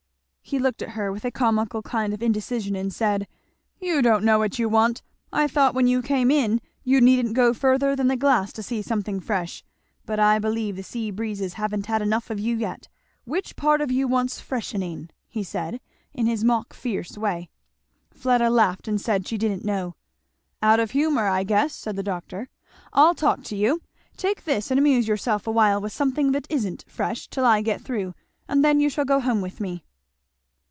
He looked at her with a comical kind of indecision, and said, "You don't know what you want! I thought when you came in you needn't go further than the glass to see something fresh; but I believe the sea breezes haven't had enough of you yet. Which part of you wants freshening?" he said in his mock fierce way. Fleda laughed and said she didn't know. "Out of humour, I guess," said the doctor. "I'll talk to you! Take this and amuse yourself awhile, with something that isn't fresh, till I get through, and then you shall go home with me."